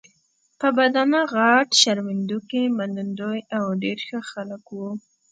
په بدنه غټ، شرمېدونکي، منندوی او ډېر ښه خلک وو.